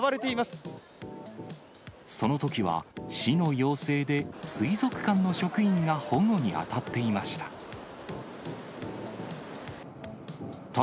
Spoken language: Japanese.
そのときは、市の要請で、水族館の職員が保護に当たっていました。